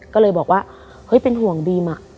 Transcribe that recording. ก็เลยบอกว่าเฮ้ยเป็นห่วงบีมอะ